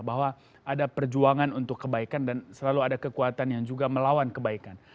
bahwa ada perjuangan untuk kebaikan dan selalu ada kekuatan yang juga melawan kebaikan